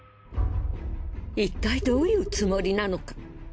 いったいどういうつもりなのか？